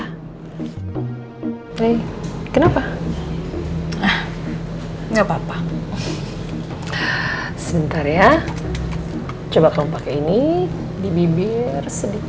eh kenapa ah nggak papa sebentar ya coba kamu pakai ini di bibir sedikit